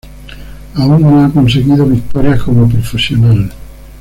Aún no ha conseguido victorias como profesional